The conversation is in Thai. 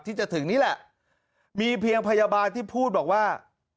ที่จะถึงนี่แหละมีเพียงพยาบาลที่พูดบอกว่า